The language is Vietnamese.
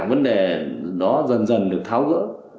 vấn đề đó dần dần được tháo rỡ